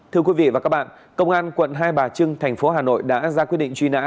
thưa quý vị và các bạn công an quận hai bà trưng thành phố hà nội đã ra quyết định truy nã